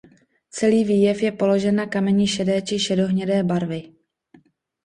Celý výjev je položen na kameni šedé či šedohnědé barvy.